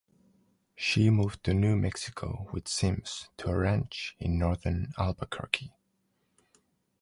She moved to New Mexico with Simms to a ranch in northern Albuquerque.